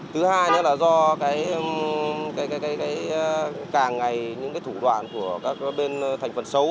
thứ hai nữa là do cái càng ngày những cái thủ đoạn của các bên thành phần xấu